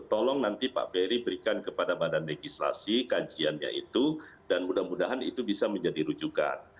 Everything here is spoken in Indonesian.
tolong nanti pak ferry berikan kepada badan legislasi kajiannya itu dan mudah mudahan itu bisa menjadi rujukan